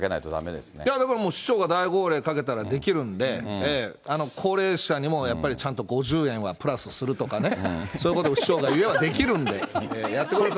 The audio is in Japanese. でも、市長が大号令かけたらできるんで、高齢者にもやっぱりちゃんと５０円はプラスするとかね、そういうことを市長が言えばできるんでやってください。